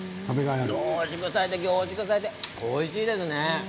濃縮されて凝縮されておいしいですね。